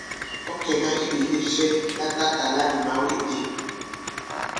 Ɔ̌ kɛ̀na iɓènde fɛ latatàla ni mào itē?